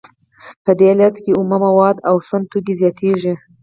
په دې حالت کې اومه مواد او سون توکي زیاتېږي